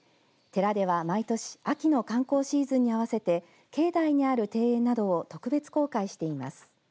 寺では毎年秋の観光シーズンに合わせて境内にある庭園などを特別公開しています。